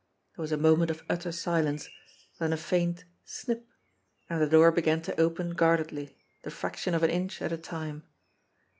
There was a moment of utter silence, then a faint snip, and the door began to open guardedly, the fraction of an inch at a time.